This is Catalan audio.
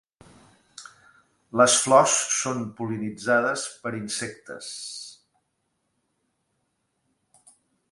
Les flors són pol·linitzades per insectes.